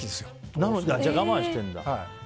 じゃあ我慢してるんだ。